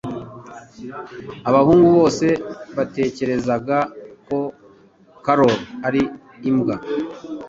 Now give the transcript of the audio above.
Abahungu bose batekerezaga ko Carol ari imbwa.